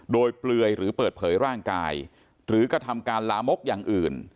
โดยเปลือยหรือเปิดเผยร่างกายหรือกระทำการลามกอย่างอื่น